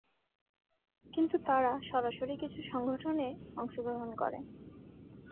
কিন্তু তারা সরাসরি কিছু সংগঠনে অংশগ্রহণ করে।